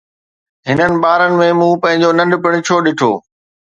هنن ٻارن ۾ مون پنهنجو ننڍپڻ ڇو ڏٺو؟